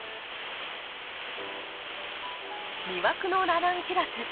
魅惑のラナンキュラス。